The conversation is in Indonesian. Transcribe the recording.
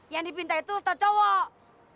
yang dipintai itu ustad cowok